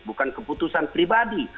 bukan keputusan pribadi